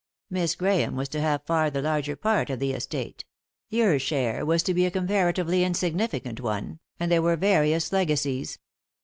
Miss Grahame was to have far the larger part of the estate ; your share was to be a comparatively insignificant one, and there were various legacies."